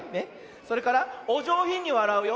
それからおじょうひんにわらうよ。